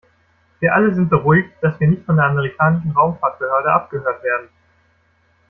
Wir alle sind beruhigt, dass wir nicht von der amerikanischen Raumfahrtbehörde abgehört werden.